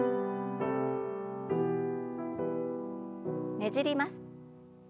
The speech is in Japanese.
ねじります。